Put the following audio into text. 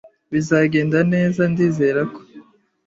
"Bizagenda neza?" "Ndizera ko."